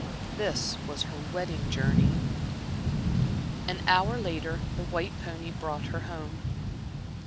This was her wedding journey. An hour later the white pony brought her home.